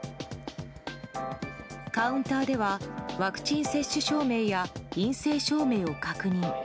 カウンターではワクチン接種証明や陰性証明を確認。